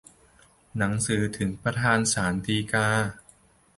หนังสือถึงประธานศาลฎีกา